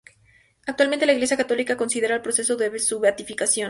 Actualmente la Iglesia católica considera el proceso de su beatificación.